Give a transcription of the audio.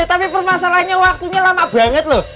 tapi permasalahannya waktunya lama banget loh